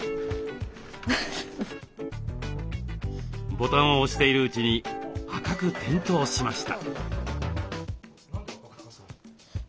ボタンを押しているうちに赤く点灯しました。